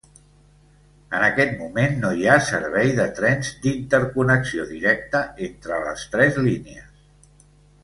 En aquest moment no hi ha servei de trens d'interconnexió directa entre les tres línies.